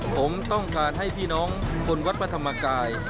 ผมต้องการให้พี่น้องคนวัดพระธรรมกาย